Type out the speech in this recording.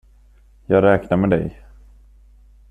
Jag räknar med dig.